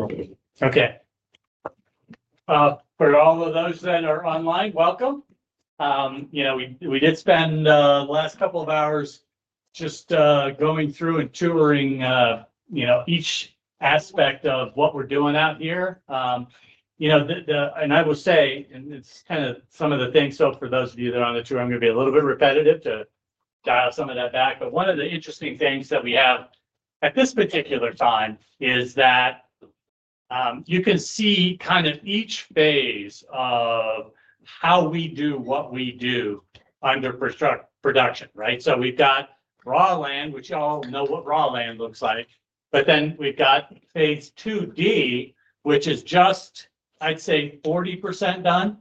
Okay. For all of those that are online, welcome. We did spend the last couple of hours just going through and touring each aspect of what we're doing out here. I will say, and it's kind of some of the things. For those of you that are on the tour, I'm going to be a little bit repetitive to dial some of that back. One of the interesting things that we have at this particular time is that you can see kind of each phase of how we do what we do under production, right? We've got raw land, which you all know what raw land looks like. Then we've got phase 2D, which is just, I'd say, 40% done.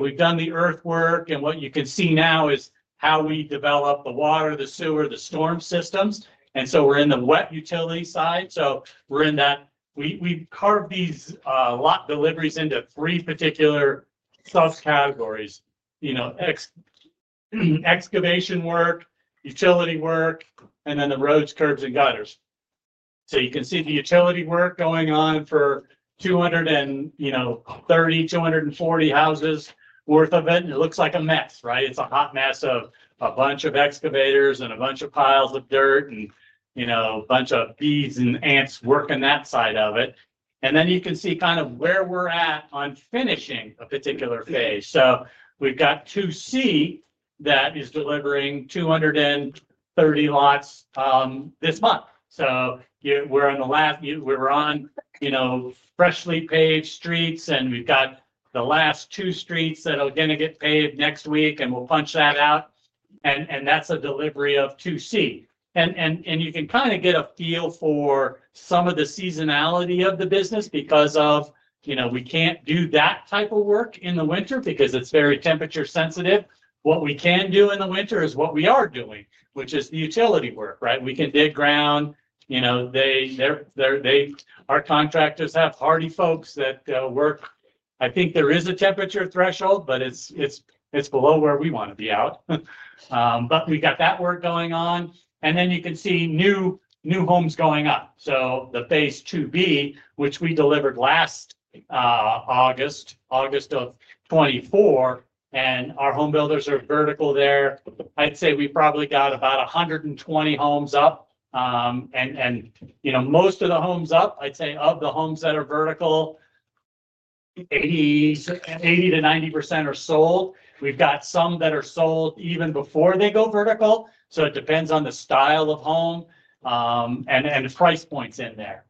We've done the earthwork, and what you can see now is how we develop the water, the sewer, the storm systems. We're in the wet utility side. We carve these lot deliveries into three particular subcategories. Excavation work, utility work, and then the roads, curbs, and gutters. You can see the utility work going on for 230, 240 houses' worth of it. It looks like a mess, right? It's a hot mess of a bunch of excavators and a bunch of piles of dirt and a bunch of bees and ants working that side of it. You can see kind of where we're at on finishing a particular phase. We've got 2C that is delivering 230 lots this month. We're on freshly paved streets, and we've got the last two streets that are going to get paved next week, and we'll punch that out. That's a delivery of 2C. You can kind of get a feel for some of the seasonality of the business because we can't do that type of work in the winter because it's very temperature sensitive. What we can do in the winter is what we are doing, which is the utility work, right? We can dig ground. Our contractors have hardy folks that work. I think there is a temperature threshold, but it's below where we want to be out. We've got that work going on. You can see new homes going up. The phase 2B, which we delivered last August, August of 2024, and our home builders are vertical there. I'd say we probably got about 120 homes up, and most of the homes up, I'd say of the homes that are vertical, 80%-90% are sold. We've got some that are sold even before they go vertical. It depends on the style of home and the price points in there.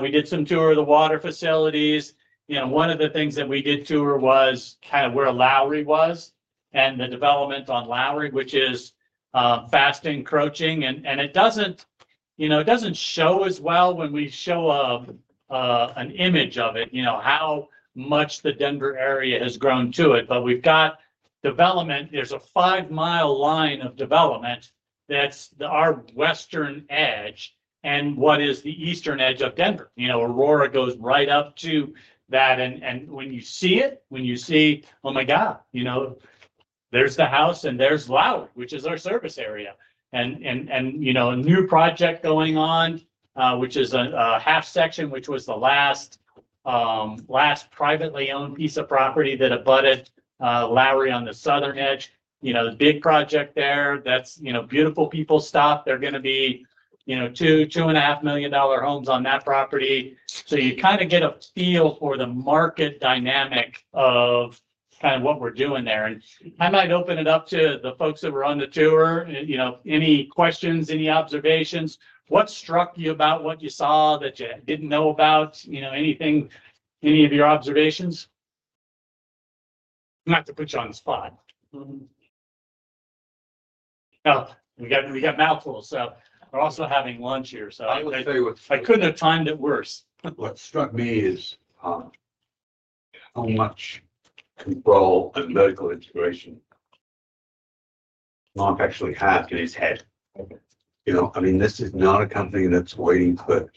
We did some tour of the water facilities. One of the things that we did tour was kind of where Lowry was and the development on Lowry, which is fast and encroaching. It doesn't show as well when we show an image of it, how much the Denver area has grown to it. We've got development. There's a five-mile line of development that's our western edge and what is the eastern edge of Denver. Aurora goes right up to that. When you see it, you see, oh my God, there's the house and there's Lowry, which is our service area, and a new project going on, which is a half section, which was the last privately owned piece of property that abutted Lowry on the southern edge. The big project there is beautiful. People stopped. They're going to be $2 million, $2.5 million homes on that property. You kind of get a feel for the market dynamic of what we're doing there. I might open it up to the folks that were on the tour. Any questions, any observations? What struck you about what you saw that you didn't know about? Any of your observations? Not to put you on the spot. We got mouthfuls. We're also having lunch here. I'll tell you what. I couldn't have timed it worse. What struck me is how much control and medical integration Mark actually has in his head. I mean, this is not a company that's waiting for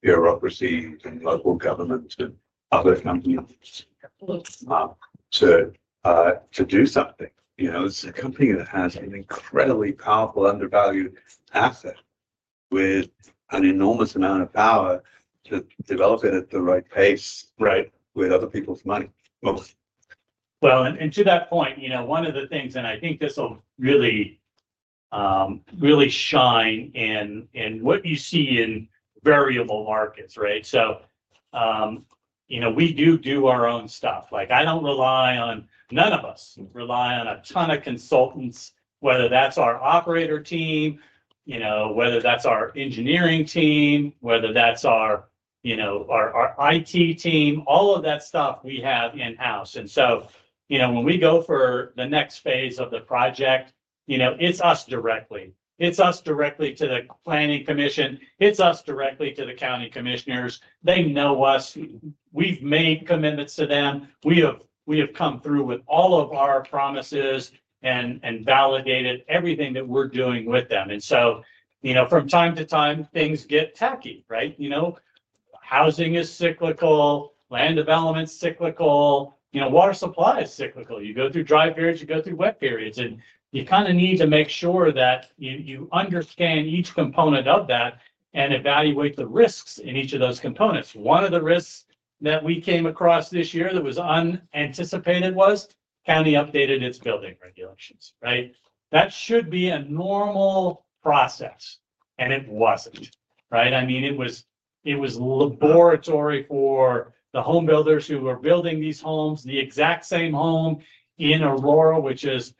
bureaucracy and local government and other companies to do something. This is a company that has an incredibly powerful undervalued asset with an enormous amount of power to develop it at the right pace, with other people's money. To that point, you know, one of the things, and I think this will really, really shine in what you see in variable markets, right? You know, we do our own stuff. I don't rely on, none of us rely on a ton of consultants, whether that's our operator team, our engineering team, our IT team, all of that stuff we have in-house. When we go for the next phase of the project, it's us directly. It's us directly to the planning commission. It's us directly to the county commissioners. They know us. We've made commitments to them. We have come through with all of our promises and validated everything that we're doing with them. From time to time, things get tacky, right? Housing is cyclical, land development is cyclical, water supply is cyclical. You go through dry periods, you go through wet periods, and you kind of need to make sure that you understand each component of that and evaluate the risks in each of those components. One of the risks that we came across this year that was unanticipated was, and they updated its building regulations, right? That should be a normal process, and it wasn't, right? I mean, it was, it was laboratory for the home builders who were building these homes, the exact same home in Aurora, which is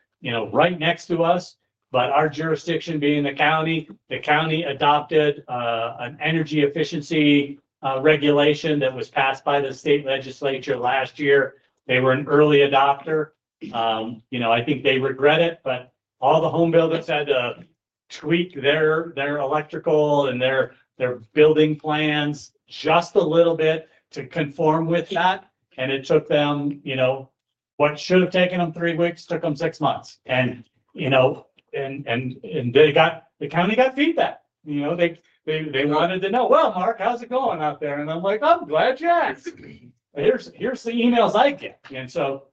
right next to us. Our jurisdiction, being the county, the county adopted an energy efficiency regulation that was passed by the state legislature last year. They were an early adopter. You know, I think they regret it, but all the home builders had to tweak their electrical and their building plans just a little bit to conform with that. It took them, you know, what should have taken them three weeks, took them six months. The county got feedback. They wanted to know, well, Mark, how's it going out there? I'm glad you asked. Here's the emails I get.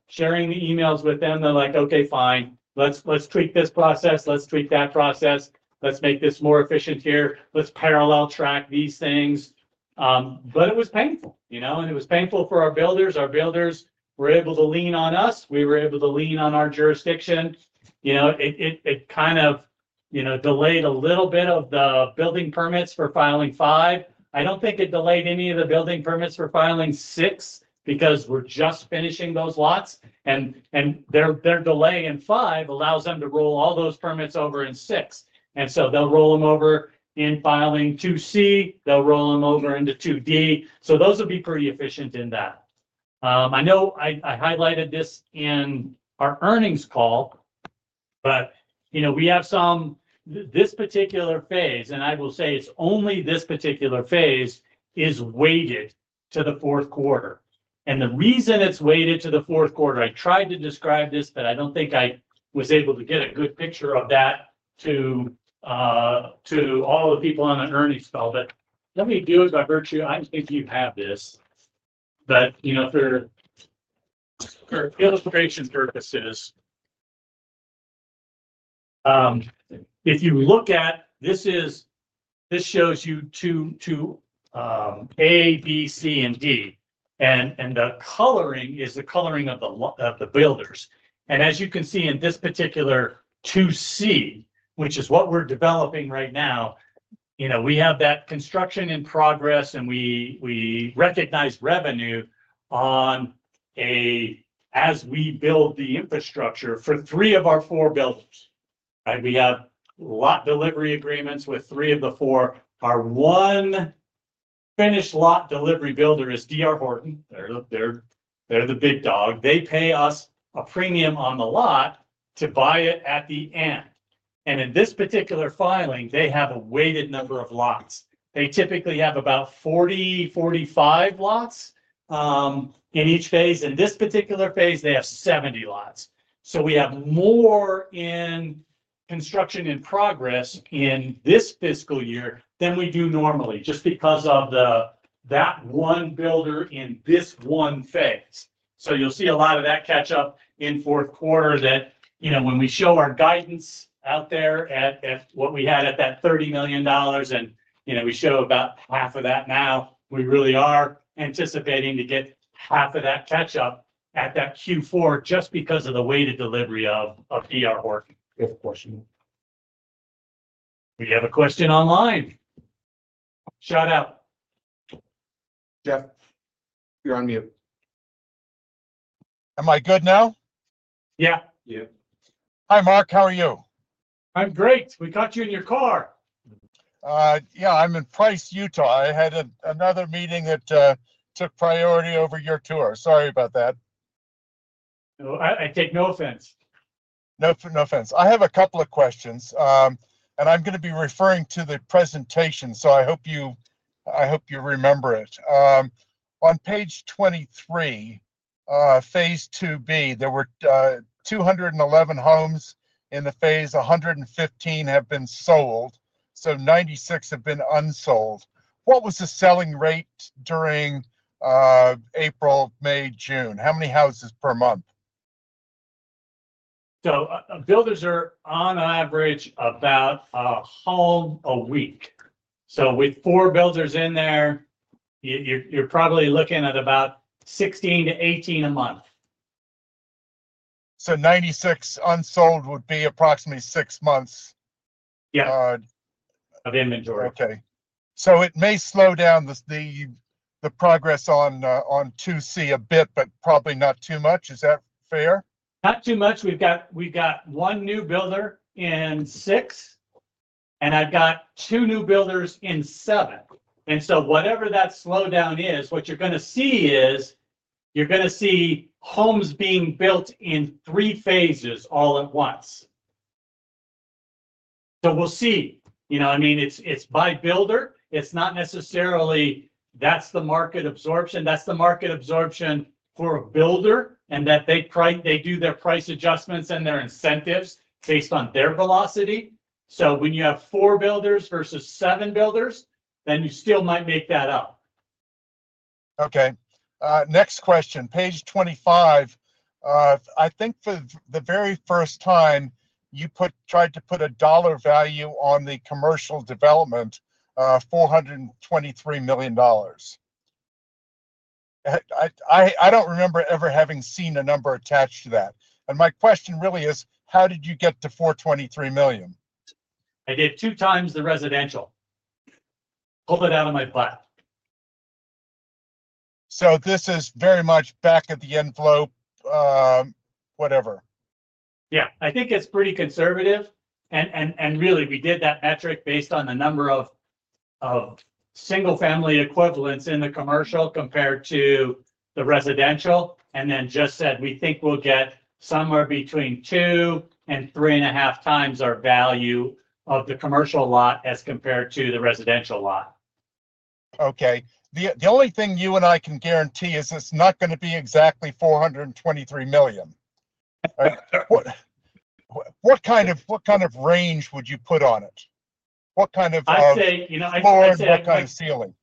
Sharing the emails with them, they're like, okay, fine. Let's tweak this process. Let's tweak that process. Let's make this more efficient here. Let's parallel track these things. It was painful, you know, and it was painful for our builders. Our builders were able to lean on us. We were able to lean on our jurisdiction. You know, it kind of delayed a little bit of the building permits for filing five. I don't think it delayed any of the building permits for filing six because we're just finishing those lots. Their delay in five allows them to roll all those permits over in six. They'll roll them over in filing 2C. They'll roll them over into 2D. Those will be pretty efficient in that. I know I highlighted this in our earnings call, but we have some, this particular phase, and I will say it's only this particular phase, is weighted to the fourth quarter. The reason it's weighted to the fourth quarter, I tried to describe this, but I don't think I was able to get a good picture of that to all the people on the earnings call. Let me do it by virtue. I think you have this. For illustration purposes, if you look at this, this shows you two, two, A, B, C, and D. The coloring is the coloring of the builders. As you can see in this particular 2C, which is what we're developing right now, we have that construction in progress, and we recognize revenue as we build the infrastructure for three of our four builders. We have lot delivery agreements with three of the four. Our one finished lot delivery builder is D.R. Horton. They're the big dog. They pay us a premium on the lot to buy it at the end. In this particular filing, they have a weighted number of lots. They typically have about 40, 45 lots in each phase. In this particular phase, they have 70 lots. We have more in construction in progress in this fiscal year than we do normally, just because of that one builder in this one phase. You'll see a lot of that catch-up in four quarters at, you know, when we show our guidance out there at what we had at that $30 million. We show about half of that now. We really are anticipating to get half of that catch-up at that Q4 just because of the weighted delivery of D.R. Horton. Do you have a question online? Shout out. Yeah, you're on mute. Am I good now? Yeah. Hi, Mark. How are you? I'm great. We caught you in your car. Yeah. I'm in Price, Utah. I had another meeting that took priority over your tour. Sorry about that. I take no offense. No offense. I have a couple of questions. I'm going to be referring to the presentation, so I hope you remember it. On page 23, phase 2B, there were 211 homes in the phase. 115 have been sold, so 96 have been unsold. What was the selling rate during April, May, June? How many houses per month? Builders are on average about a home a week. With four builders in there, you're probably looking at about 16 to 18 a month. Ninety-six unsold would be approximately six months. Yeah, of inventory. Okay. It may slow down the progress on 2C a bit, but probably not too much. Is that fair? Not too much. We've got one new builder in six, and I've got two new builders in seven. Whatever that slowdown is, what you're going to see is homes being built in three phases all at once. We'll see. I mean, it's by builder. It's not necessarily that's the market absorption. That's the market absorption for a builder, and they do their price adjustments and their incentives based on their velocity. When you have four builders versus seven builders, you still might make that up. Okay. Next question. Page 25. I think for the very first time, you tried to put a dollar value on the commercial development, $423 million. I don't remember ever having seen a number attached to that. My question really is, how did you get to $423 million? I did two times the residential, pulled it out of my plan. This is very much back of the envelope, whatever. I think it's pretty conservative. We did that metric based on the number of single-family equivalents in the commercial compared to the residential and then just said we think we'll get somewhere between two and three and a half times our value of the commercial lot as compared to the residential lot. Okay. The only thing you and I can guarantee is it's not going to be exactly $423 million. What kind of range would you put on it? What kind of. I'd say you know. That kind of ceiling?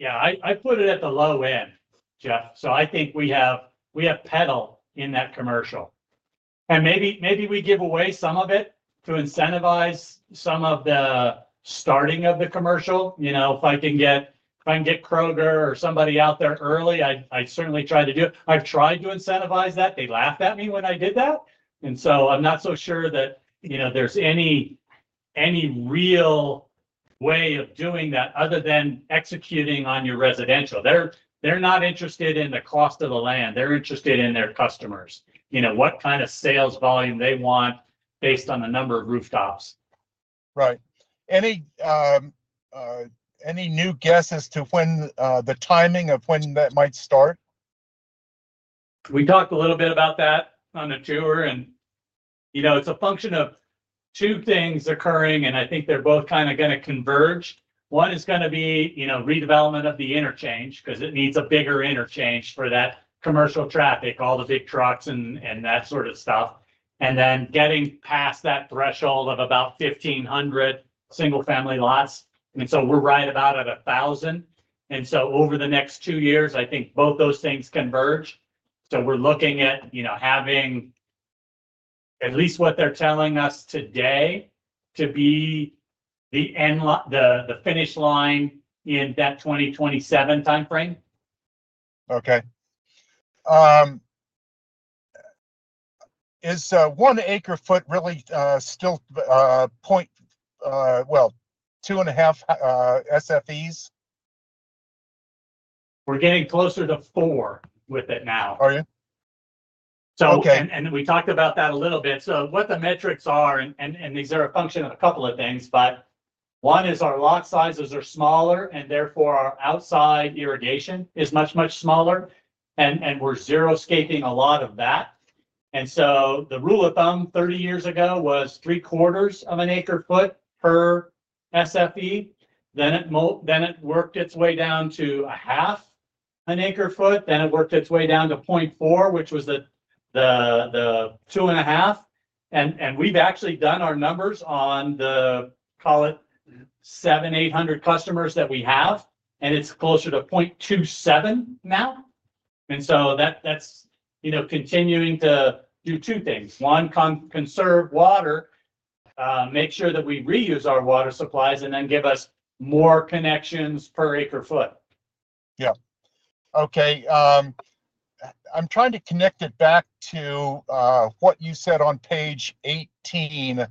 Yeah. I'd put it at the low end, Jeff. I think we have petal in that commercial, and maybe we give away some of it to incentivize some of the starting of the commercial. If I can get Kroger or somebody out there early, I'd certainly try to do it. I've tried to incentivize that. They laughed at me when I did that. I'm not so sure that there's any real way of doing that other than executing on your residential. They're not interested in the cost of the land. They're interested in their customers, what kind of sales volume they want based on the number of rooftops. Right. Any new guess as to when the timing of when that might start? We talked a little bit about that on the tour. You know, it's a function of two things occurring, and I think they're both kind of going to converge. One is going to be, you know, redevelopment of the interchange because it needs a bigger interchange for that commercial traffic, all the big trucks and that sort of stuff. Then getting past that threshold of about 1,500 single-family lots. We're right about at 1,000, and over the next two years, I think both those things converge. We're looking at having at least what they're telling us today to be the end, the finish line in that 2027 timeframe. Okay. Is one acre foot really still, point two five, SFEs? We're getting closer to four with it now. Are you? We talked about that a little bit. What the metrics are, and these are a function of a couple of things, but one is our lot sizes are smaller, and therefore our outside irrigation is much, much smaller. We're zero-scaping a lot of that. The rule of thumb 30 years ago was three-quarters of an acre foot per SFE. It worked its way down to a half an acre foot. It worked its way down to 0.4, which was the two and a half. We've actually done our numbers on the, call it, the 700, 800 customers that we have, and it's closer to 0.27 now. That's continuing to do two things. One, conserve water, make sure that we reuse our water supplies, and then give us more connections per acre foot. Okay. I'm trying to connect it back to what you said on page 18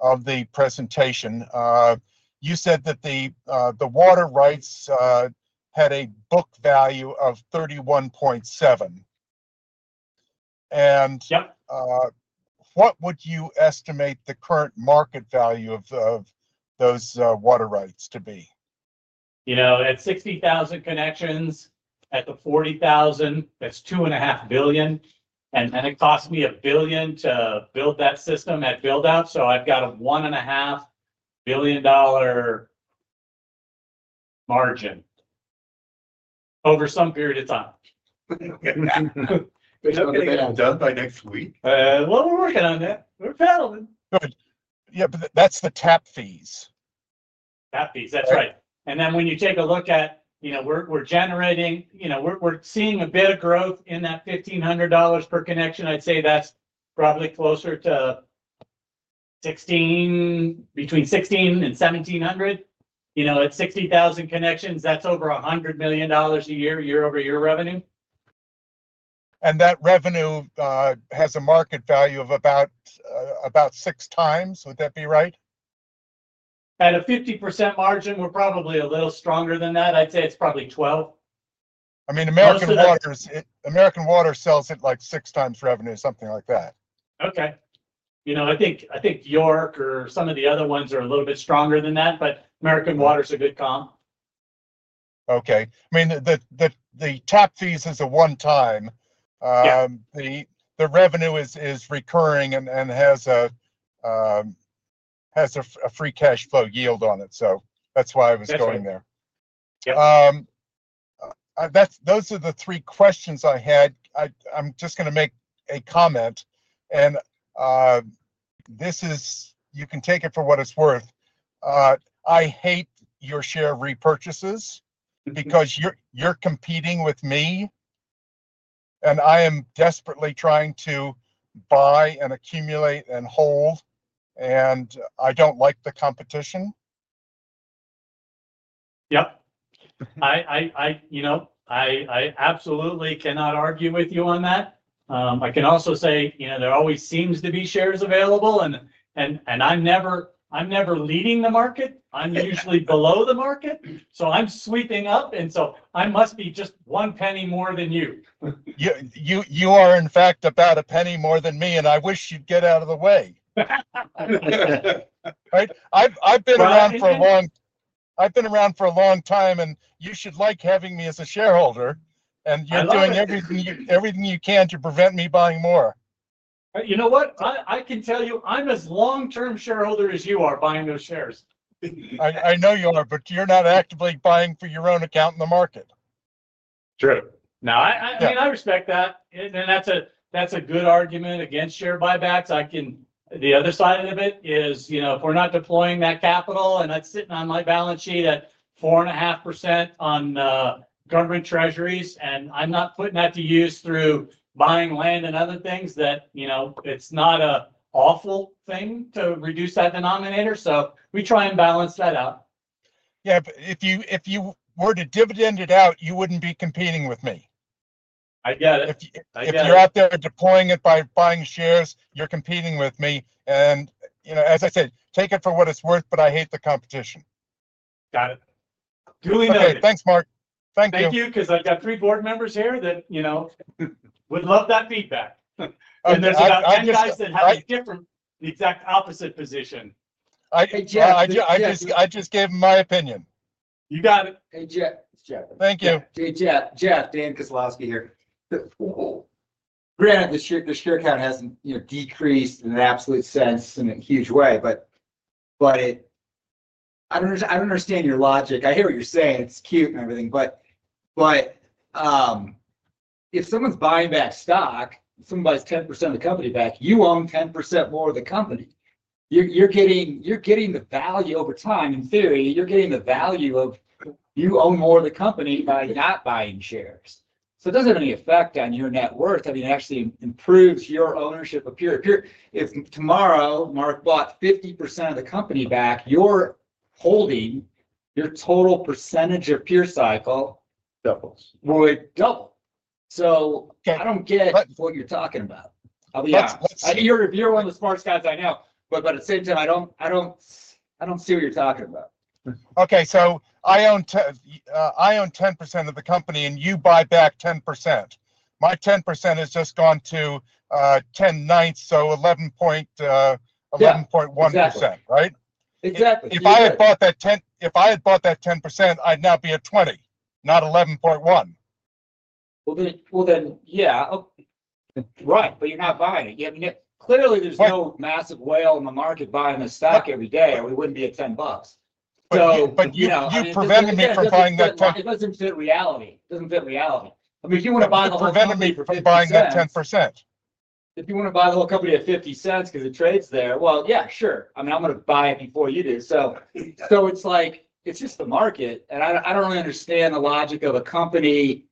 of the presentation. You said that the water rights had a book value of $31.7 million. What would you estimate the current market value of those water rights to be? At 60,000 connections, at the 40,000, that's $2.5 billion. It cost me $1 billion to build that system, that buildout. I've got a $1.5 billion margin over some period of time. Is that going to be done by next week? We're working on it. We're battling. Yeah, that's the tap fees. Tap fees. That's right. When you take a look at, you know, we're generating, you know, we're seeing a bit of growth in that $1,500 per connection. I'd say that's probably closer to $1,600, between $1,600 and $1,700. At 60,000 connections, that's over $100 million a year, year-over-year revenue. That revenue has a market value of about six times. Would that be right? At a 50% margin, we're probably a little stronger than that. I'd say it's probably 12. I mean, American Water sells at like six times revenue, something like that. Okay. I think York or some of the other ones are a little bit stronger than that, but American Waters is a bit calm. Okay. The tap fees is a one-time. The revenue is recurring and has a free cash flow yield on it. That's why I was going there. Those are the three questions I had. I'm just going to make a comment. This is, you can take it for what it's worth. I hate your share repurchases because you're competing with me, and I am desperately trying to buy and accumulate and hold, and I don't like the competition. Yeah, I absolutely cannot argue with you on that. I can also say there always seems to be shares available, and I'm never leading the market. I'm usually below the market, so I'm sweeping up, and I must be just one penny more than you. Yeah, you are, in fact, about $0.01 more than me, and I wish you'd get out of the way. Right? I've been around for a long time, and you should like having me as a shareholder, and you're doing everything you can to prevent me buying more. You know what? I can tell you, I'm as long-term shareholder as you are buying those shares. I know you are, but you're not actively buying for your own account in the market. True. No, I mean, I respect that. That's a good argument against share buybacks. The other side of it is, you know, if we're not deploying that capital, and that's sitting on my balance sheet at 4.5% on government treasuries, and I'm not putting that to use through buying land and other things, you know, it's not an awful thing to reduce that denominator. We try and balance that out. Yeah. If you were to dividend it out, you wouldn't be competing with me. I get it. If you're out there deploying it by buying shares, you're competing with me. As I said, take it for what it's worth, but I hate the competition. Got it. Do lean on me. Thanks, Mark. Thank you. Thank you because I've got three board members here that would love that feedback. There are a lot of guys that have a different, the exact opposite position. I just gave my opinion. You got it. Hey, Jeff. Thank you. Hey, Jeff. Dan Kozlowski here. Granted, the share count hasn't decreased in an absolute sense in a huge way, but I don't understand your logic. I hear what you're saying. It's cute and everything. If someone's buying that stock, if somebody buys 10% of the company back, you own 10% more of the company. You're getting the value over time. In theory, you're getting the value of you own more of the company by not buying shares. It doesn't have any effect on your net worth. I mean, it actually improves your ownership of Pure Cycle Corporation. If tomorrow Mark bought 50% of the company back, you're holding your total percentage of Pure Cycle. Doubles. Would double. I don't get what you're talking about. I'll be honest. I think you're one of the smartest guys I know, but essentially, I don't see what you're talking about. Okay. I own 10% of the company, and you buy back 10%. My 10% has just gone to 10/9, so 11.1%, right? Exactly. If I had bought that 10%, I'd now be at 20%, not 11.1%. Right. You're not buying it. You haven't yet. Clearly, there's no massive whale in the market buying a stock every day, or we wouldn't be at $10. You prevented me from buying that 10%. It doesn't fit reality. It doesn't fit reality. I mean, if you want to buy the whole company from buying that 10%. If you want to buy the whole company at $0.50 because it trades there, yeah, sure. I mean, I'm going to buy it before you do. It's just the market. I don't really understand the logic of a company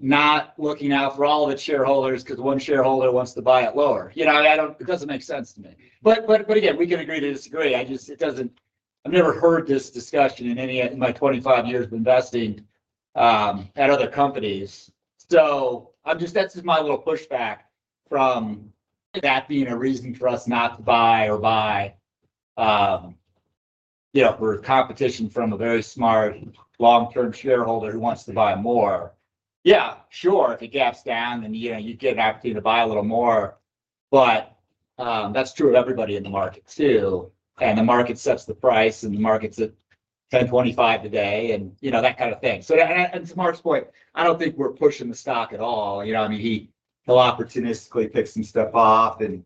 not looking out for all of its shareholders because one shareholder wants to buy it lower. It doesn't make sense to me. We can agree to disagree. I've never heard this discussion in any of my 25 years of investing at other companies. That's just my little pushback from that being a reason for us not to buy or buy, for competition from a very smart, long-term shareholder who wants to buy more. Yeah, sure, if it gaps down, then you get an opportunity to buy a little more. That's true of everybody in the market too. The market sets the price, and the market's at $10.25 today, that kind of thing. To Mark's point, I don't think we're pushing the stock at all. He'll opportunistically pick some stuff off and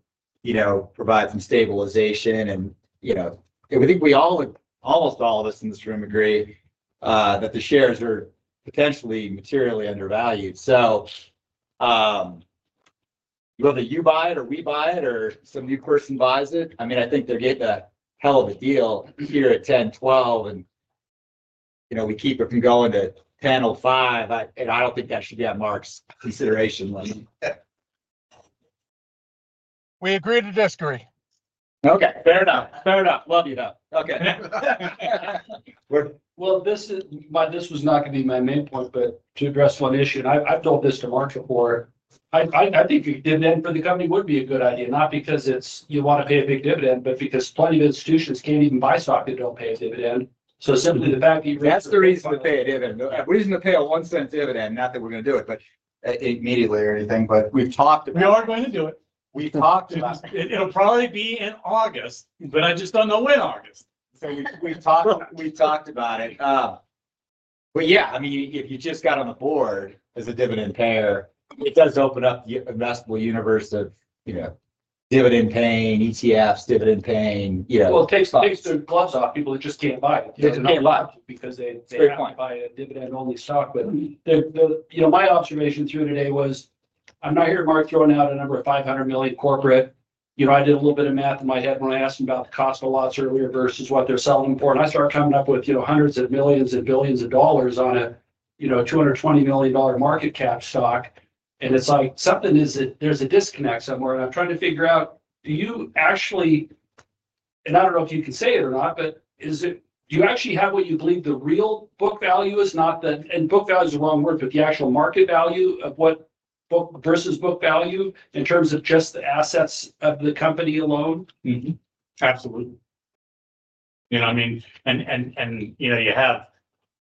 provide some stabilization. We think we all would, almost all of us in this room agree, that the shares are potentially materially undervalued. Whether you buy it or we buy it or some new person buys it, I think they're getting a hell of a deal here at $10.12, and we keep it from going to $10.05. I don't think that should be at Mark's consideration list. We agree to disagree. Okay. Fair enough. Love you though. Okay. This was not going to be my main point, but to address one issue, and I've told this to Mark before, I think a dividend for the company would be a good idea, not because you want to pay a big dividend, but because plenty of institutions can't even buy stock that don't pay a dividend. Simply the fact that you raise the reason to pay a dividend, a reason to pay a $0.01 dividend, not that we're going to do it immediately or anything, but we've talked about it. We are going to do it. We've talked about it. It'll probably be in August, but I just don't know when in August. We've talked about it. I mean, if you just got on the board as a dividend payer, it does open up a nestled universe of dividend paying ETFs, dividend paying, you know. It takes the gloves off. People just can't buy it. They can't lock it because they can't buy a dividend-only stock. My observation through today was, I'm not here at Mark throwing out a number of $500 million corporate. I did a little bit of math in my head when I asked him about the cost of lots earlier versus what they're selling for. I started coming up with hundreds of millions and billions of dollars on a $220 million market cap stock. It's like something is that there's a disconnect somewhere. I'm trying to figure out, do you actually, and I don't know if you can say it or not, but do you actually have what you believe the real book value is? Book value is the wrong word, but the actual market value of what book versus book value in terms of just the assets of the company alone? Absolutely. You have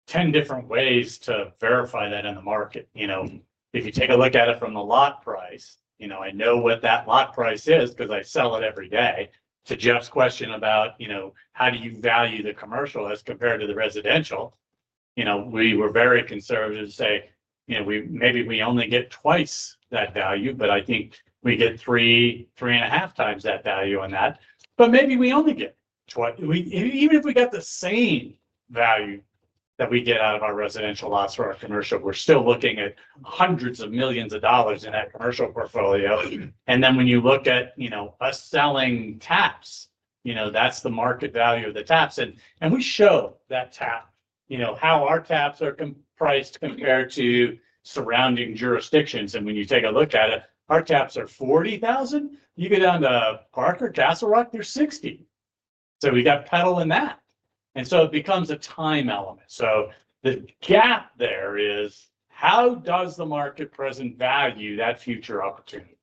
10 different ways to verify that in the market. If you take a look at it from the lot price, I know what that lot price is because I sell it every day. To Jeff's question about how do you value the commercial as compared to the residential, we were very conservative to say we maybe only get twice that value, but I think we get three, three and a half times that value on that. Maybe we only get twice, even if we got the same value that we get out of our residential lots for our commercial, we're still looking at hundreds of millions of dollars in that commercial portfolio. When you look at us selling TAPs, that's the market value of the TAPs. We show that TAP, how our TAPs are priced compared to surrounding jurisdictions. When you take a look at it, our TAPs are $40,000. You get on the Parker, Castle Rock, they're $60,000. We've got petal in that, and it becomes a time element. The gap there is how does the market present value that future opportunity?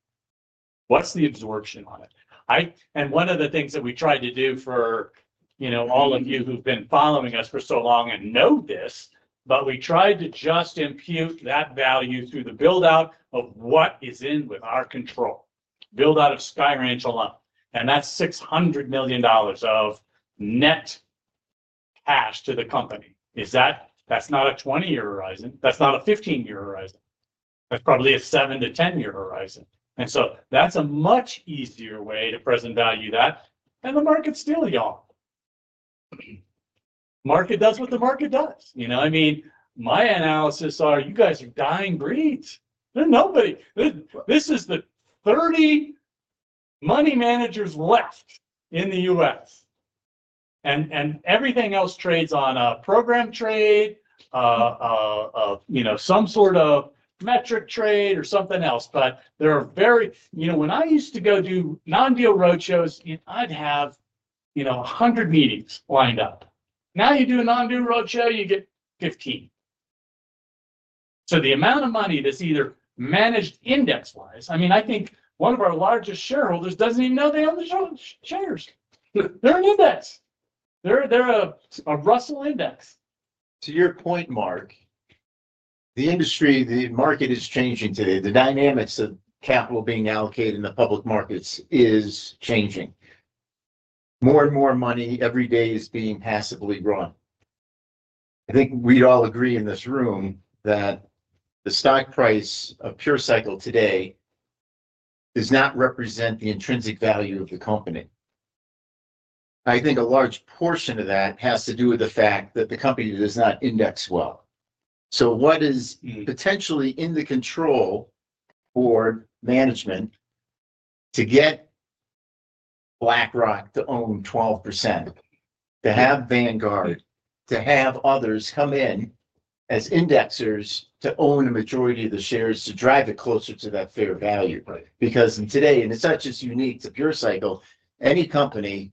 What's the absorption on it? One of the things that we tried to do for all of you who've been following us for so long and know this, we tried to just impute that value through the buildout of what is in with our control, build out of Sky Ranch alone. That's $600 million of net cash to the company. That's not a 20-year horizon. That's not a 15-year horizon. That's probably a seven to 10-year horizon. That's a much easier way to present value that. The market's still y'all. Market does what the market does. My analysis is you guys are dying breeds. Nobody, this is the 30 money managers left in the U.S. Everything else trades on a program trade, some sort of metric trade or something else. There are very, when I used to go do non-deal roadshows, I'd have 100 meetings lined up. Now you do a non-deal roadshow, you get 15. The amount of money that's either managed index-wise, I think one of our largest shareholders doesn't even know they own the shares. They don't need this. They're a Russell index. To your point, Mark, the industry, the market is changing today. The dynamics of capital being allocated in the public markets is changing. More and more money every day is being passively run. I think we'd all agree in this room that the stock price of Pure Cycle Corporation today does not represent the intrinsic value of the company. I think a large portion of that has to do with the fact that the company does not index well. What is potentially in the control for management to get BlackRock to own 12%, to have Vanguard, to have others come in as indexers to own a majority of the shares to drive it closer to that fair value? In today, and it's not just unique to Pure Cycle Corporation, any company,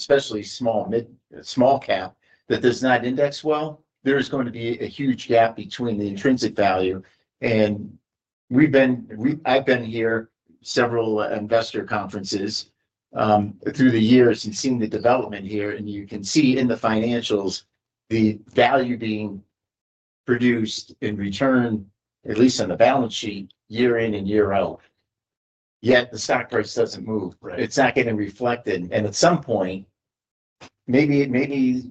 especially small, mid-small cap that does not index well, there is going to be a huge gap between the intrinsic value. I've been here several investor conferences through the years and seen the development here. You can see in the financials the value being produced in return, at least on the balance sheet, year in and year out. Yet the stock price doesn't move. It's not getting reflected. At some point, maybe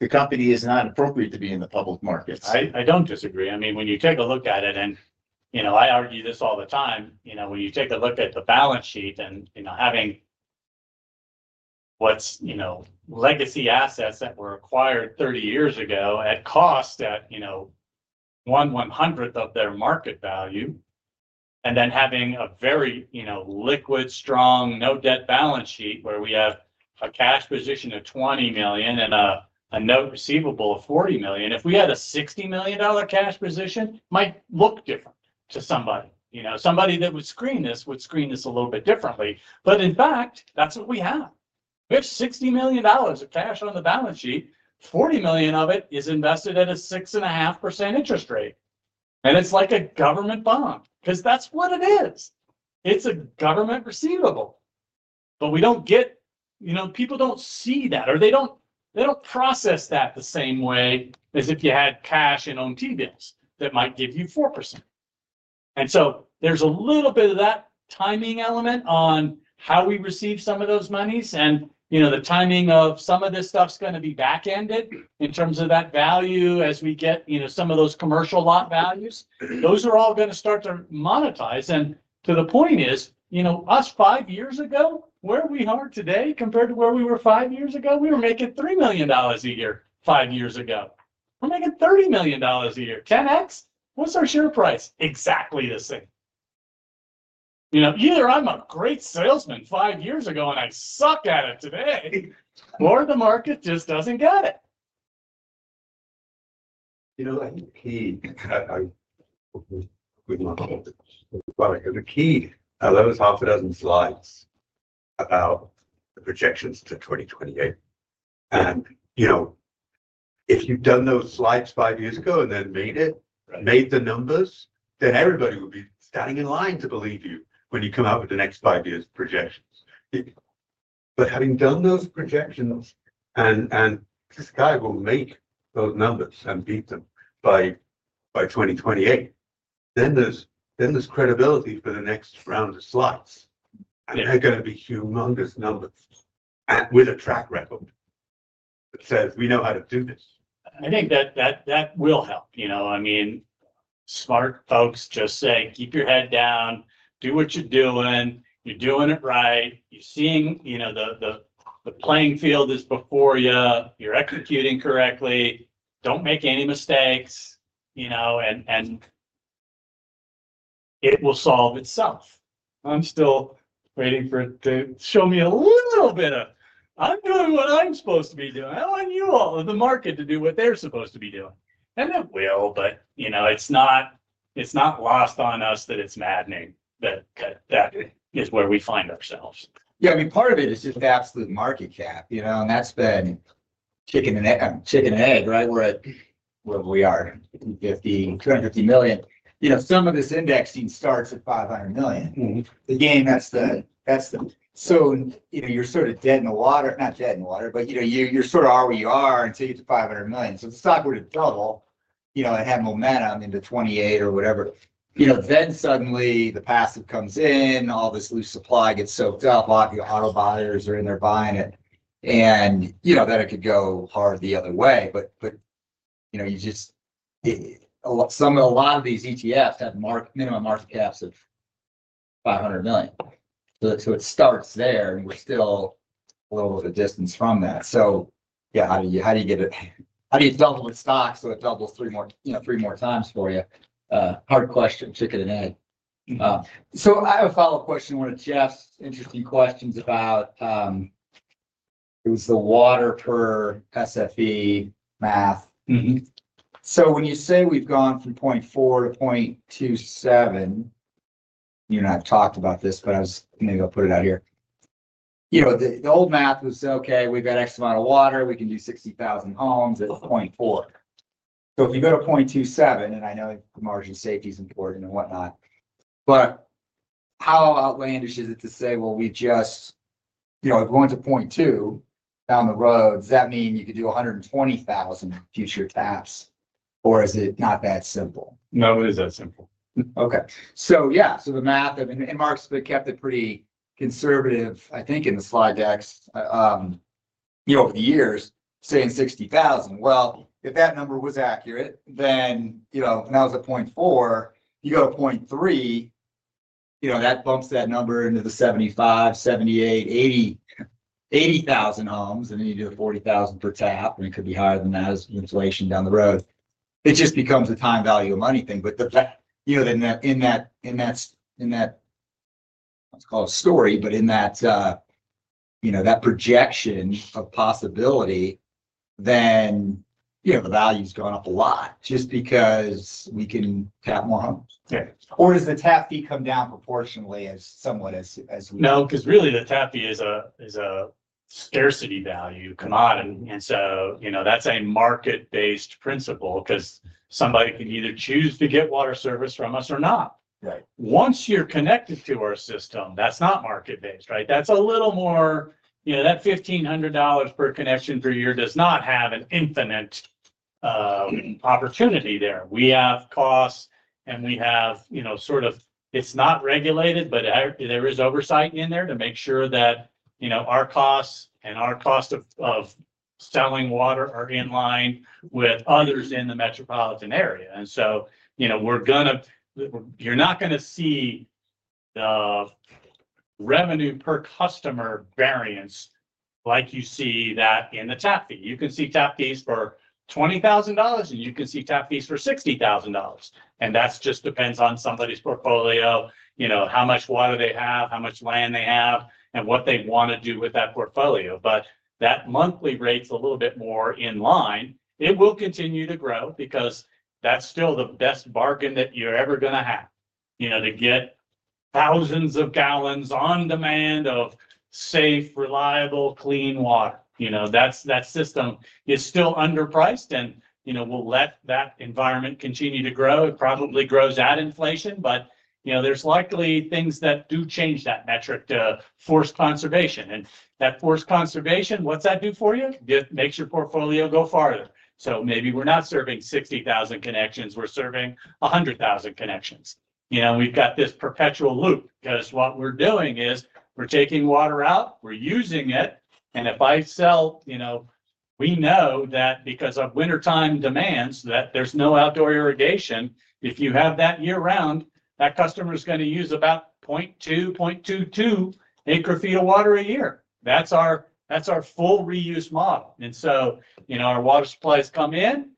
the company is not appropriate to be in the public markets. I don't disagree. I mean, when you take a look at it, and I argue this all the time, when you take a look at the balance sheet and having what's legacy assets that were acquired 30 years ago at cost at one one-hundredth of their market value, and then having a very liquid, strong, no debt balance sheet where we have a cash position of $20 million and a note receivable of $40 million. If we had a $60 million cash position, it might look different to somebody. Somebody that would screen this would screen this a little bit differently. In fact, that's what we have. We have $60 million of cash on the balance sheet. $40 million of it is invested at a 6.5% interest rate, and it's like a government bond because that's what it is. It's a government receivable. People don't see that or they don't process that the same way as if you had cash in owned T-bills that might give you 4%. There's a little bit of that timing element on how do we receive some of those monies. The timing of some of this stuff's going to be back-ended in terms of that value as we get some of those commercial lot values. Those are all going to start to monetize. To the point is, us five years ago, where we are today compared to where we were five years ago, we were making $3 million a year five years ago. I'm making $30 million a year. 10x. What's our share price? Exactly the same. Here, I'm a great salesman five years ago, and I suck at it today. More of the market just doesn't get it. You know, I think, Key, I'm not quoting this, but I think Key allows half a dozen slides about the projections to 2028. If you'd done those slides five years ago and then made it, made the numbers, then everybody will be standing in line to believe you when you come out with the next five years' projections. Having done those projections and this guy will make those numbers and beat them by 2028, there's credibility for the next round of slides. They're going to be humongous numbers with a track record that says we know how to do this. I think that will help. Smart folks just say, keep your head down, do what you're doing, you're doing it right, you're seeing the playing field is before you, you're executing correctly, don't make any mistakes, and it will solve itself. I'm still waiting for it to show me a little bit of, I'm doing what I'm supposed to be doing. I want you all in the market to do what they're supposed to be doing. It will, but it's not lost on us that it's maddening that that is where we find ourselves. Yeah, I mean, part of it is just absolute market capitalization, you know, and that's been chicken and egg, chicken and egg, right? We're at where we are, $50 million, $250 million. You know, some of this index inclusion starts at $500 million. Again, that's the, that's the, so you know, you're sort of dead in the water, not dead in the water, but you know, you're sort of all we are until you get to $500 million. The stock would have doubled, you know, and had momentum into 2028 or whatever. You know, suddenly the passive comes in, all this loose supply gets soaked up, all the buyers are in there buying it. You know, it could go hard the other way. You just, you know, some of a lot of these ETFs have minimum market capitalizations of $500 million. It starts there, and we're still a little bit of a distance from that. Yeah, how do you, how do you get it? How do you double the stock so it doubles three more, you know, three more times for you? Hard question, chicken and egg. I have a follow-up question, one of Jeff's interesting questions about, it was the water per SFE math. Mm-hmm. When you say we've gone from 0.4-0.27, you and I have talked about this, but I was maybe I'll put it out here. You know, the old math was, okay, we've got X amount of water, we can do 60,000 homes at 0.4. If you go to 0.27, and I know the margin of safety is important and whatnot, how outlandish is it to say, we just, you know, if we went to 0.2 down the road, does that mean you could do 120,000 future caps? Or is it not that simple? No, it is that simple. Okay. The math, and Mark's kept it pretty conservative, I think, in the slide decks over the years, saying 60,000. If that number was accurate, now it's at 0.4, you go to 0.3, that bumps that number into the 75,000, 78,000, 80,000 homes, and then you do a $40,000 per tap, and it could be higher than that as inflation down the road. It just becomes a time value of money thing. In that projection of possibility, the value's gone up a lot just because we can tap more homes. Has the tap fee come down proportionately as somewhat as? No, because really the tap fee is a scarcity value. Come on. That is a market-based principle because somebody can either choose to get water service from us or not, right? Once you're connected to our system, that's not market-based, right? That's a little more, you know, that $1,500 per connection per year does not have an infinite opportunity there. We have costs, and we have, you know, sort of, it's not regulated, but there is oversight in there to make sure that our costs and our cost of selling water are in line with others in the metropolitan area. You're not going to see the revenue per customer variance like you see that in the tap fee. You can see tap fees for $20,000, and you can see tap fees for $60,000. That just depends on somebody's portfolio, how much water they have, how much land they have, and what they want to do with that portfolio. That monthly rate's a little bit more in line. It will continue to grow because that's still the best bargain that you're ever going to have to get thousands of gallons on demand of safe, reliable, clean water. That system is still underpriced, and we'll let that environment continue to grow. It probably grows at inflation, but there are likely things that do change that metric to force conservation. That force conservation, what's that do for you? It makes your portfolio go farther. Maybe we're not serving 60,000 connections. We're serving 100,000 connections. We've got this perpetual loop because what we're doing is we're taking water out, we're using it, and if I sell, we know that because of wintertime demands, that there's no outdoor irrigation, if you have that year-round, that customer's going to use about 0.2, 0.22 acre feet of water a year. That's our full reuse model. Our water supplies come in,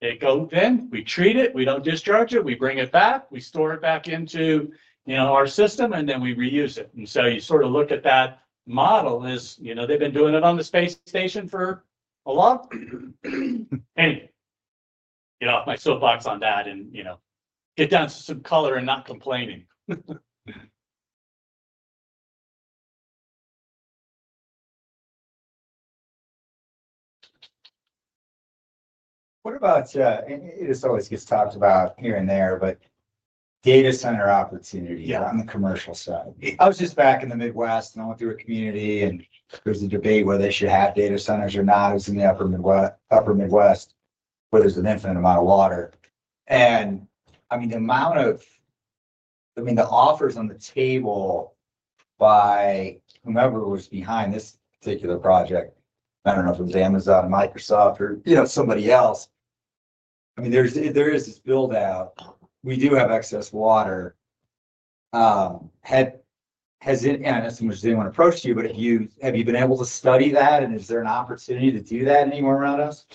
they go then, we treat it, we don't discharge it, we bring it back, we store it back into our system, and then we reuse it. You sort of look at that model as, they've been doing it on the space station for a long time. Anyway, get off my soapbox on that and get down to some color and not complaining. What about, and it just always gets talked about here and there, data center opportunity on the commercial stuff. I was just back in the Midwest and all through a community, there's a debate whether they should have data centers or not. I was in the upper Midwest, but there's an infinite amount of water. I mean, the offers on the table by whomever was behind this particular project, I don't know if it was Amazon or Microsoft or somebody else. There is this buildout. We do have excess water. Has it, not so much as anyone approached you, but have you been able to study that? Is there an opportunity to do that anywhere around us?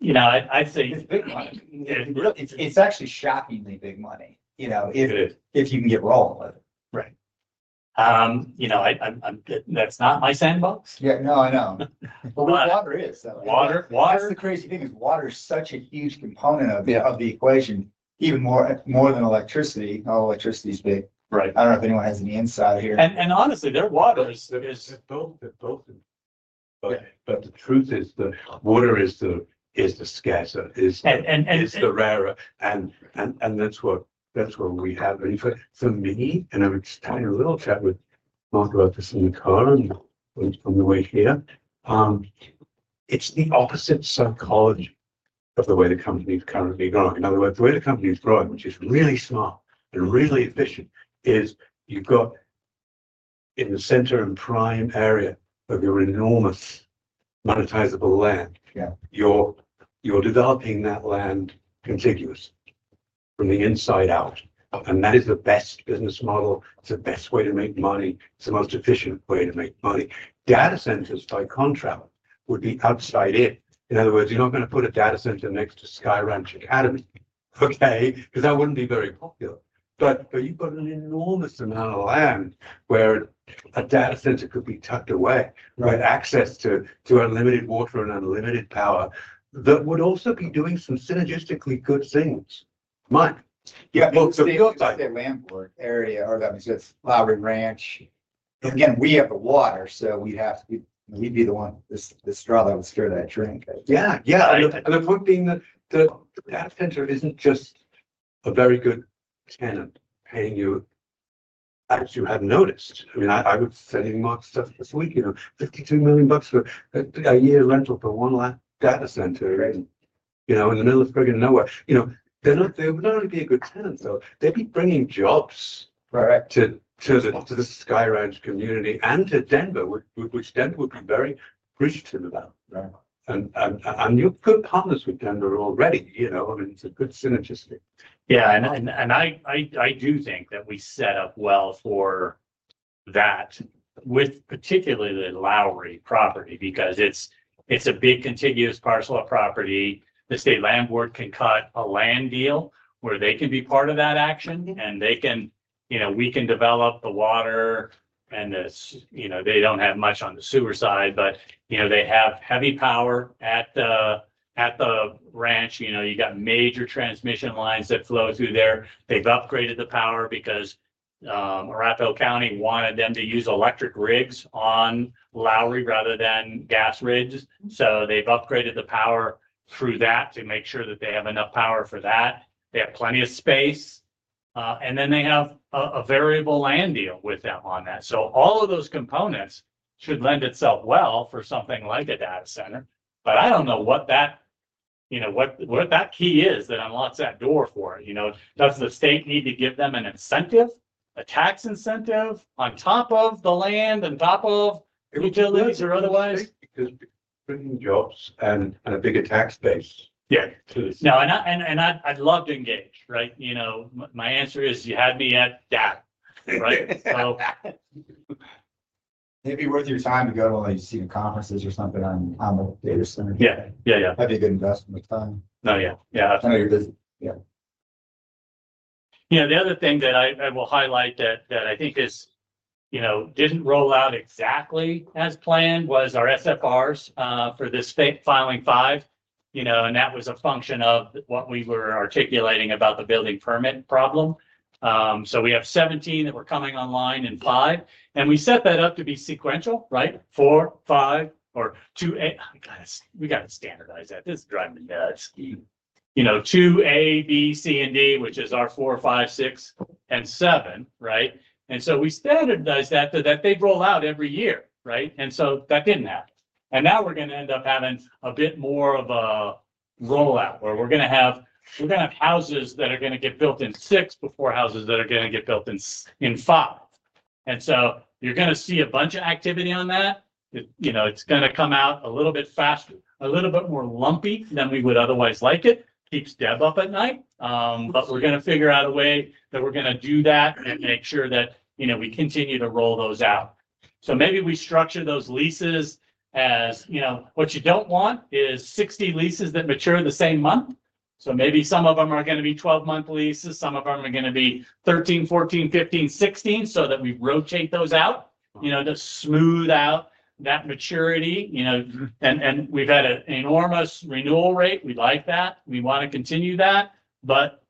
You know, I'd say it's big money. It's actually shockingly big money, you know, if you can get rolling with it. Right. That's not my sandbox. Yeah, no, I know. Water is, though. Water, the crazy thing is water is such an easy component of the equation, even more than electricity. Oh, electricity is big. Right. I don't know if anyone has any insight here. Honestly, their water is, I mean, it's just built in. The truth is the water is the scarcer, is the rarer. That's what we have. I was just telling a little chat with Mark about this in the car on the way here. It's the opposite psychology of the way the company's currently gone. In other words, the way the company's grown, which is really small and really efficient, is you've got in the center and prime area of your enormous monetizable land. You're developing that land contiguous from the inside out. That is the best business model. It's the best way to make money. It's the most efficient way to make money. Data centers by contract would be outside in. In other words, you're not going to put a data center next to Sky Ranch Academy, okay? That wouldn't be very popular. You've got an enormous amount of land where a data center could be tucked away with access to unlimited water and unlimited power that would also be doing some synergistically good things. Mark if you say land board area or that means it's Lowry Ranch. Again, we have the water, so we'd have to, we'd be the one that's struggling with Sturdy Ranch. Yeah, yeah. I mean, one thing that the data center isn't just a very good tenant, as you have noticed. I mean, I was sending Mark stuff this week, you know, $52 million for a year rental for one data center, and you know, in the middle of the freaking nowhere. You know, they're not, they would not only be a good tenant, though, they'd be bringing jobs, right, to the Sky Ranch community and to Denver, which Denver would be very appreciative about. Right. And you've good partners with Denver already, you know, and it's a good synergistic. Yeah, and I do think that we set up well for that with particularly the Lowry Ranch property because it's a big contiguous parcel of property. The state land board can cut a land deal where they can be part of that action, and they can, you know, we can develop the water and this, you know, they don't have much on the sewer side, but, you know, they have heavy power at the ranch. You know, you've got major transmission lines that flow through there. They've upgraded the power because Arapahoe County wanted them to use electric rigs on Lowry Ranch rather than gas rigs. They've upgraded the power through that to make sure that they have enough power for that. They have plenty of space, and then they have a variable land deal with them on that. All of those components should lend itself well for something like a data center. I don't know what that, you know, what that key is that unlocks that door for it. You know, does the state need to give them an incentive, a tax incentive on top of the land and top of utilities or otherwise? Because good jobs and a big attack space. Yeah. No, I'd love to engage, right? You know, my answer is you had me at data, right? Maybe worth your time to go to one of these conferences or something on the data center. Yeah, yeah, yeah. I think it invests in the time. Yeah, I've heard it. Yeah, the other thing that I will highlight that I think is, you know, didn't roll out exactly as planned was our SFRs for this filing five, you know, and that was a function of what we were articulating about the building permit problem. We have 17 that were coming online in five, and we set that up to be sequential, right? Four, five, or two, eight. We got to standardize that. This is driving me nuts. You know, two, A, B, C, and D, which is our four, five, six, and seven, right? We standardized that so that they'd roll out every year, right? That didn't happen. Now we're going to end up having a bit more of a rollout where we're going to have houses that are going to get built in six before houses that are going to get built in five. You're going to see a bunch of activity on that. It's going to come out a little bit faster, a little bit more lumpy than we would otherwise like it. It keeps Deb up at night. We're going to figure out a way that we're going to do that and make sure that, you know, we continue to roll those out. Maybe we structure those leases as, you know, what you don't want is 60 leases that mature the same month. Maybe some of them are going to be 12-month leases. Some of them are going to be 13, 14, 15, 16 so that we rotate those out, you know, to smooth out that maturity, and we've had an enormous renewal rate. We like that. We want to continue that.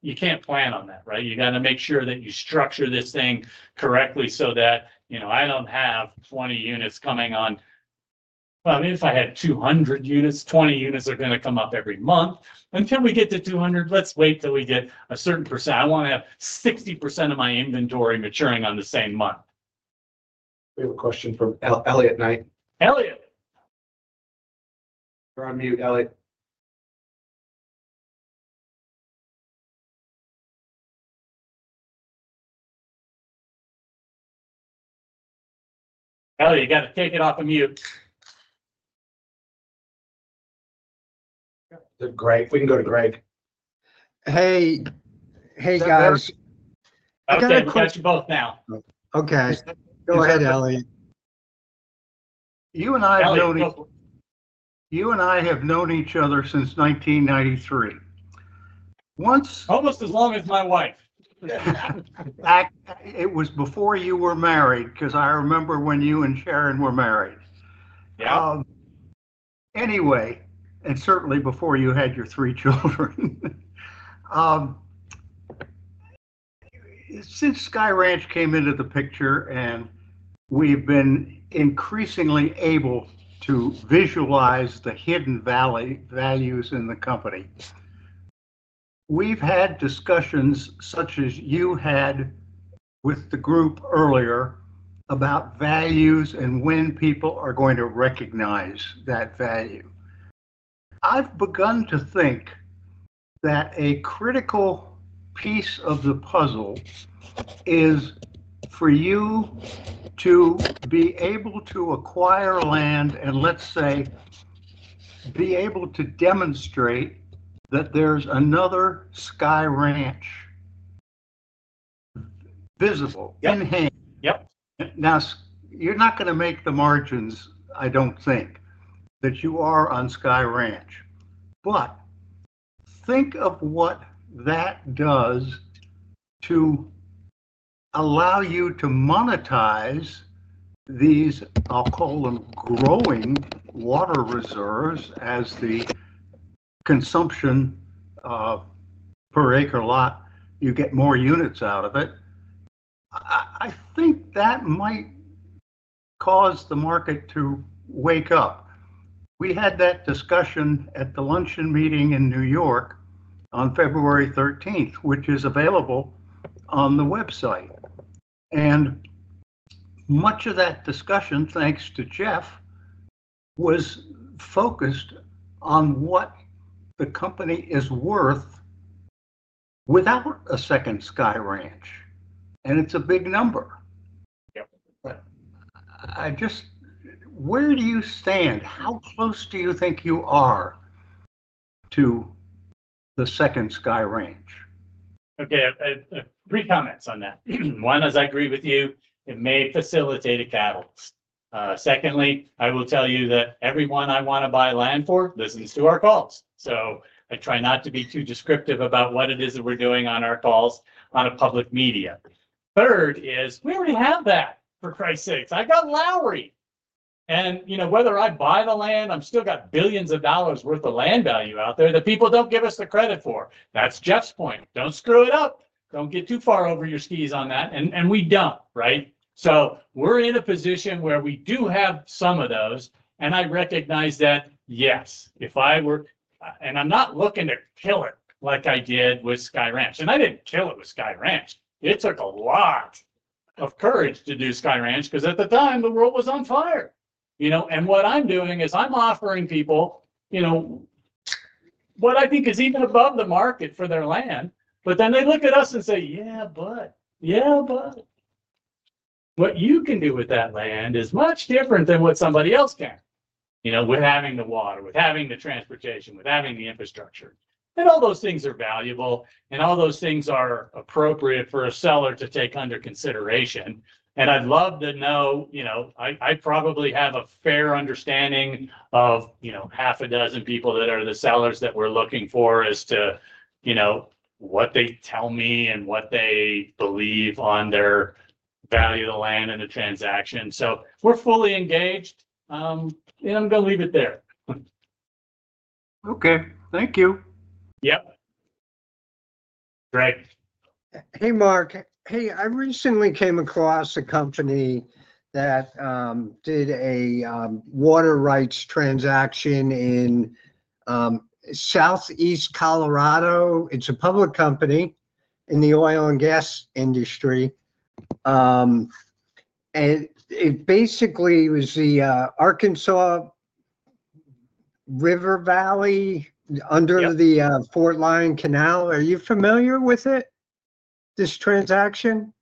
You can't plan on that, right? You got to make sure that you structure this thing correctly so that, you know, I don't have 20 units coming on. I mean, if I had 200 units, 20 units are going to come up every month. Until we get to 200, let's wait till we get a certain %. I want to have 60% of my inventory maturing on the same month. We have a question from Elliot Knight. Elliot. We're on mute, Elliot. Elliot, you got to take it off of mute. Yeah, to Greg. We can go to Greg. Hey, hey guys. I've got a question for both now. Okay. Go ahead, Elliot. You and I have known each other since 1993. Almost as long as my wife. It was before you were married, because I remember when you and Sharon were married. Yeah. Anyway, certainly before you had your three children. Since Sky Ranch came into the picture, and we've been increasingly able to visualize the hidden values in the company, we've had discussions such as you had with the group earlier about values and when people are going to recognize that value. I've begun to think that a critical piece of the puzzle is for you to be able to acquire land and let's say be able to demonstrate that there's another Sky Ranch visible in hand. Yep. Now, you're not going to make the margins, I don't think, that you are on Sky Ranch. Think of what that does to allow you to monetize these, I'll call them growing water reserves as the consumption per acre lot. You get more units out of it. I think that might cause the market to wake up. We had that discussion at the luncheon meeting in New York on February 13th, which is available on the website. Much of that discussion, thanks to Jeff, was focused on what the company is worth without a second Sky Ranch. It's a big number. Yeah. Where do you stand? How close do you think you are to the second Sky Ranch? Okay. Three comments on that. One, as I agree with you, it may facilitate a catalyst. Secondly, I will tell you that everyone I want to buy land for listens to our calls. I try not to be too descriptive about what it is that we're doing on our calls on a public media. Third is we already have that, for Christ's sakes. I got Lowry. You know, whether I buy the land, I've still got billions of dollars' worth of land value out there that people don't give us the credit for. That's Jeff's point. Don't screw it up. Don't get too far over your skis on that. We don't, right? We're in a position where we do have some of those. I recognize that, yes, if I were, and I'm not looking to kill it like I did with Sky Ranch. I didn't kill it with Sky Ranch. It took a lot of courage to do Sky Ranch because at the time, the world was on fire. What I'm doing is I'm offering people what I think is even above the market for their land. Then they look at us and say, "Yeah, but, yeah, but." What you can do with that land is much different than what somebody else can. With having the water, with having the transportation, with having the infrastructure. All those things are valuable, and all those things are appropriate for a seller to take under consideration. I'd love to know, I probably have a fair understanding of half a dozen people that are the sellers that we're looking for as to what they tell me and what they believe on their value of the land and the transaction. We're fully engaged. I'm going to leave it there. Okay, thank you. Yep. Greg. Hey, Mark. I recently came across a company that did a water rights transaction in Southeast Colorado. It's a public company in the oil and gas industry. It basically was the Arkansas River Valley under the Fort Lyon Canal. Are you familiar with this transaction?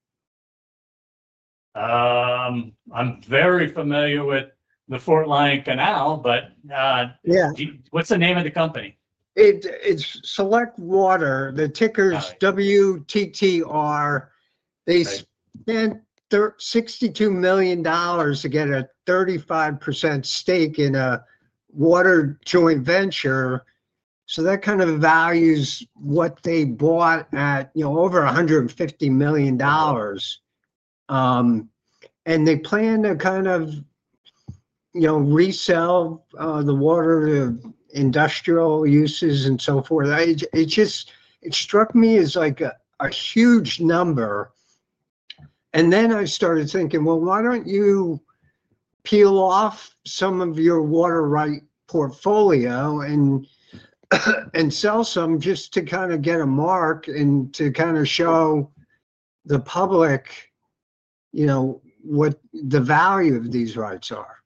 I'm very familiar with the Fort Lyon Canal, but yeah, what's the name of the company? It's Select Water. The ticker's WTTR. They spent $62 million to get a 35% stake in a water joint venture. That kind of values what they bought at over $150 million. They plan to resell the water to industrial uses and so forth. It struck me as a huge number. I started thinking, why don't you peel off some of your water rights portfolio and sell some just to get a mark and to show the public what the value of these rights are.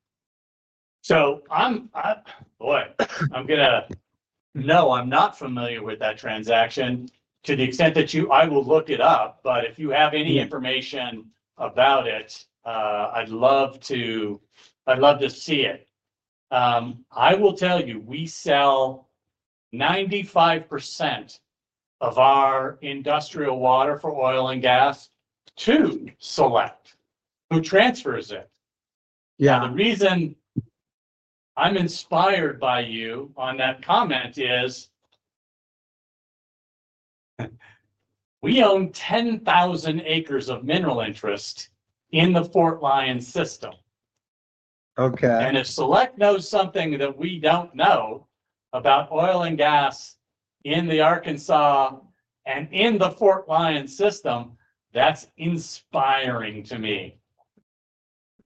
I'm not familiar with that transaction to the extent that you, I will look it up. If you have any information about it, I'd love to see it. I will tell you, we sell 95% of our industrial water for oil and gas to Select, who transfers it. The reason I'm inspired by you on that comment is we own 10,000 acres of mineral interest in the Fort Lyon system. If Select knows something that we don't know about oil and gas in the Arkansas and in the Fort Lyon system, that's inspiring to me.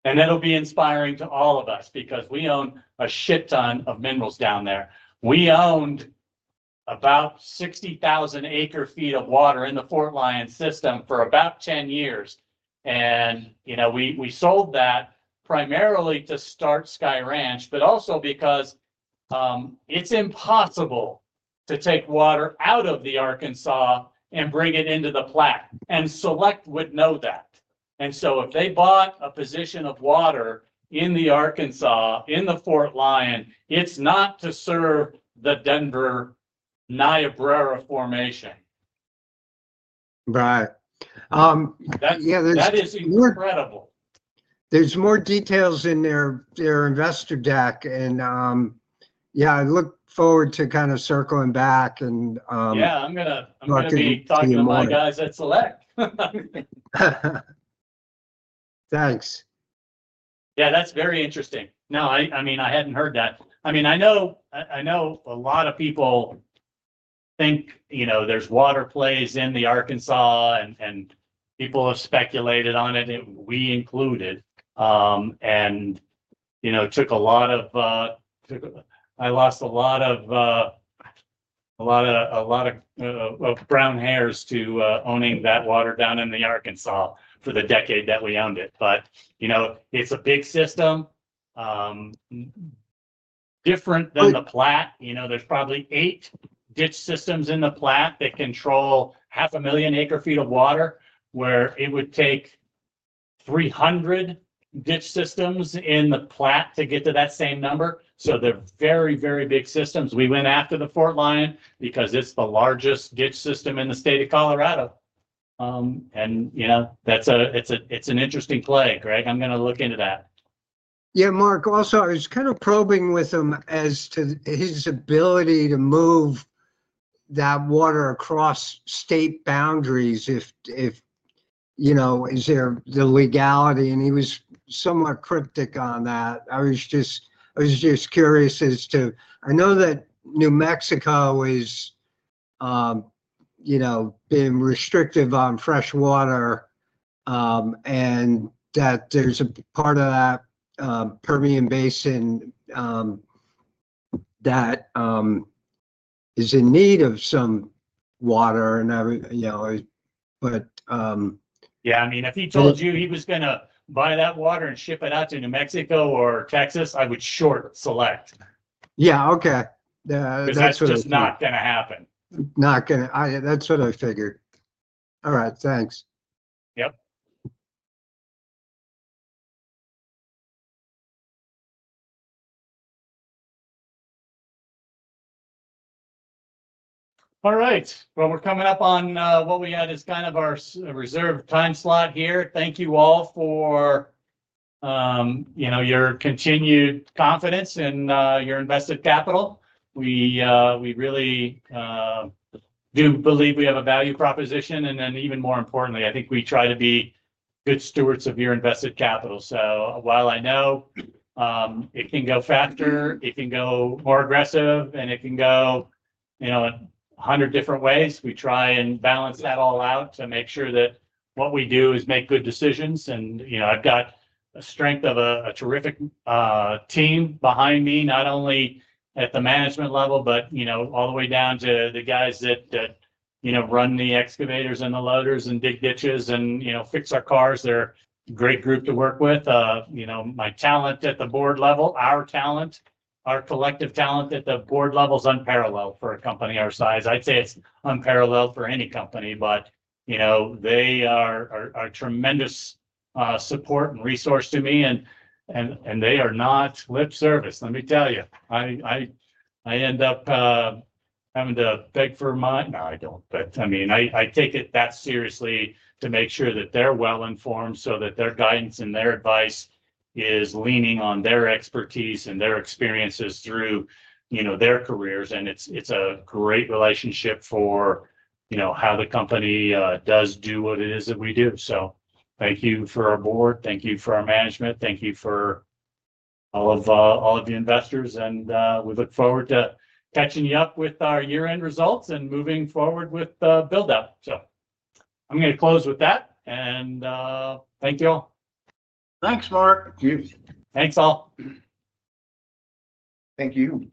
It'll be inspiring to all of us because we own a shit ton of minerals down there. We owned about 60,000 acre feet of water in the Fort Lyon system for about 10 years. We sold that primarily to start Sky Ranch, but also because it's impossible to take water out of the Arkansas and bring it into the Platte. Select would know that. If they bought a position of water in the Arkansas, in the Fort Lyon, it's not to serve the Denver Niabrera Formation. Right. Yeah. That is incredible. are more details in their investor deck. I look forward to circling back. Yeah, I'm going to be talking to my guys at Select. Thanks. Yeah, that's very interesting. No, I mean, I hadn't heard that. I know a lot of people think there's water plays in the Arkansas and people have speculated on it, and we included. I lost a lot of brown hairs to owning that water down in the Arkansas for the decade that we owned it. It's a big system, different than the Platte. There's probably eight ditch systems in the Platte that control 500,000 acre ft of water, where it would take 300 ditch systems in the Platte to get to that same number. They're very, very big systems. We went after the Fort Lyon because it's the largest ditch system in the state of Colorado. It's an interesting play, Greg. I'm going to look into that. Yeah, Mark. I was kind of probing with him as to his ability to move that water across state boundaries. Is there the legality? He was somewhat cryptic on that. I was just curious as to, I know that New Mexico is being restrictive on fresh water and that there's a part of that Permian Basin that is in need of some water and everything. Yeah, I mean, if he told you he was going to buy that water and ship it out to New Mexico or Texas, I would short Select. Yeah, okay. That's what is not going to happen. Not going to. That's what I figured. All right, thanks. All right. We're coming up on what we had as kind of our reserve time slot here. Thank you all for your continued confidence in your invested capital. We really do believe we have a value proposition. Even more importantly, I think we try to be good stewards of your invested capital. I know it can go faster, it can go more aggressive, and it can go a hundred different ways. We try and balance that all out to make sure that what we do is make good decisions. I've got a strength of a terrific team behind me, not only at the management level, but all the way down to the guys that run the excavators and the loaders and dig ditches and fix our cars. They're a great group to work with. My talent at the board level, our talent, our collective talent at the board level is unparalleled for a company our size. I'd say it's unparalleled for any company, but they are a tremendous support and resource to me. They are not lip service. Let me tell you, I end up having to beg for my. No, I don't, but I mean, I take it that seriously to make sure that they're well informed so that their guidance and their advice is leaning on their expertise and their experiences through their careers. It's a great relationship for how the company does do what it is that we do. Thank you for our board. Thank you for our management. Thank you for all of your investors. We look forward to catching you up with our year-end results and moving forward with the buildout. I'm going to close with that. Thank you all. Thanks, Mark. Thank you. Thanks all. Thank you.